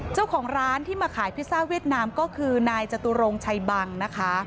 เจ้าของร้านที่มาขายพิซซ่าเวียดนามก็คือนายจตุรงชัยบังนะคะ